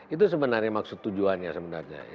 itu sebenarnya maksud tujuannya sebenarnya